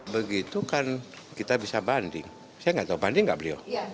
begitu kan kita bisa banding saya nggak tahu banding nggak beliau